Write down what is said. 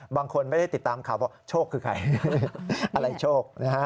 บางคนไม่ได้ติดตามข่าวบอกโชคคือใครอะไรโชคนะฮะ